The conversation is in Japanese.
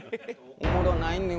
おもろないねん。